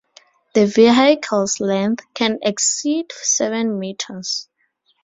The vehicle's length can exceed seven meters.